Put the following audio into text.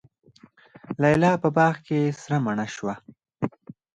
لیلی په باغ کي سره مڼه شوه